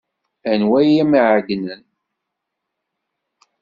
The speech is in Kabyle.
Anwa ay am-iɛeyynen?